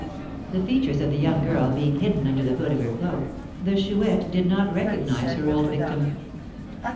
The features of the young girl being hidden under the hood of her cloak, the Chouette did not recognise her old victim.